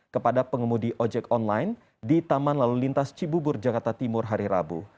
kepada pengemudi ojek online di taman lalu lintas cibubur jakarta timur hari rabu